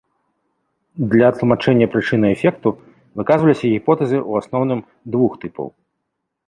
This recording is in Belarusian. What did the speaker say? Для тлумачэння прычыны эфекту выказваліся гіпотэзы ў асноўным двух тыпаў.